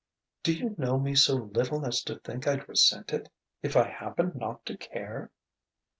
"Do you know me so little as to think I'd resent it, if I happened not to care?"